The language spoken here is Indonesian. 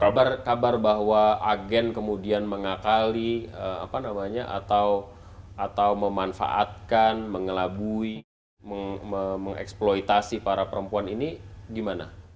kabar kabar bahwa agen kemudian mengakali apa namanya atau memanfaatkan mengelabui mengeksploitasi para perempuan ini gimana